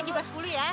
bu bungkus sepuluh ya